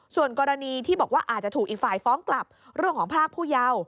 ส่วนกรณีที่บอกว่าอาจจะถูกอีกฝ่ายฟ้องกลับเรื่องของพรากผู้เยาว์